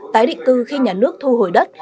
tái định cư khi nhà nước thu hồi đất